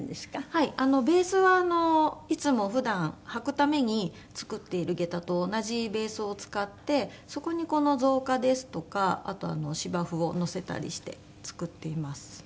ベースはいつも普段履くために作っている下駄と同じベースを使ってそこにこの造花ですとかあと芝生をのせたりして作っています。